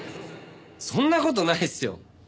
そんな事ないっすよ。